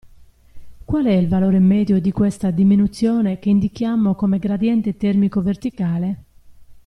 Qual e il valore medio di questa diminuzione che indichiamo come gradiente termico verticale?